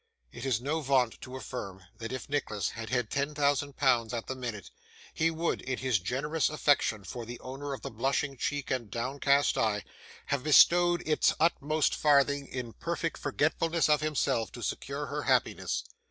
It is no vaunt to affirm that if Nicholas had had ten thousand pounds at the minute, he would, in his generous affection for the owner of the blushing cheek and downcast eye, have bestowed its utmost farthing, in perfect forgetfulness of himself, to secure her happiness.